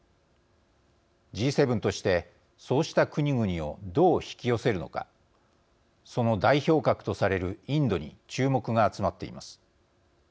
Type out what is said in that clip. Ｇ７として、そうした国々をどう引き寄せるのかその代表格とされるインドに注目が集まっています。